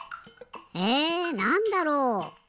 えなんだろう？